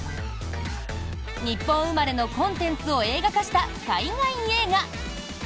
日本生まれのコンテンツを映画化した海外映画。